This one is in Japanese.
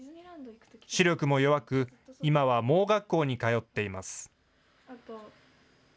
視力も弱く、今は盲学校に通っています。